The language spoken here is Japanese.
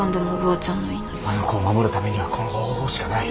あの子を守るためにはこの方法しかない。